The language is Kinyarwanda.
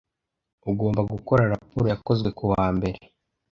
Ugomba gukora raporo yakozwe kuwa mbere.